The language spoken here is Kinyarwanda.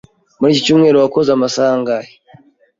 Muri iki cyumweru wakoze amasaha angahe?